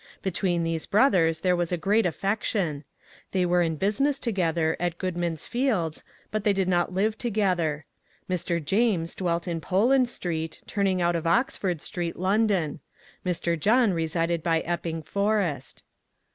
Between these brothers there was a great affection. They were in business together, at Goodman's Fields, but they did not live together. Mr. James dwelt in Poland Street, turning out of Oxford Street, London; Mr. John resided by Epping Forest.